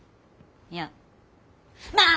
いやまあ。